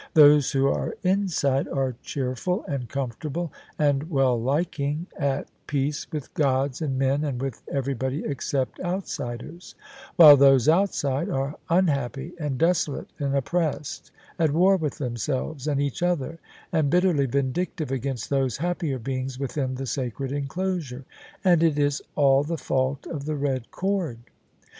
Those who are inside are cheerful and comfortable and well liking, at THE SUBJECTION peace with gods and men and with everybody except out siders : while those outside are unhappy and desolate and op pressed, at war with themselves and each other and bitterly vindictive against those happier beings within the sacred inclosure: and it is all the fault of the red cord.